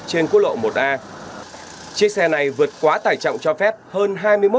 trên quốc lộ một a chiếc xe này vượt quá tải trọng cho phép hơn hai mươi một